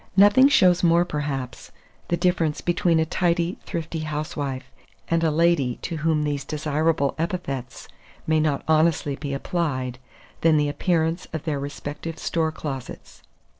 Nothing shows more, perhaps, the difference between a tidy thrifty housewife and a lady to whom these desirable epithets may not honestly be applied, than the appearance of their respective store closets.